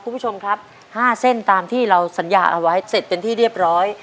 คุณผู้ชมครับ๕เส้นตามที่เราสัญญาเอาไว้เสร็จเป็นที่เรียบร้อย